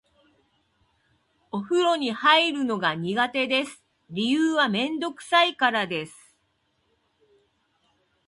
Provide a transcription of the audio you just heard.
お風呂に入るのが苦手です。理由はめんどくさいからです。